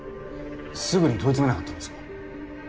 すぐに問い詰めなかったんですか？